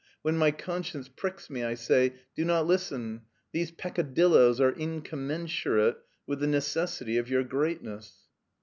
When my conscience pricksf me I say, * Do not listen ; these peccadilloes are incommensurate with the necessity of your greatness.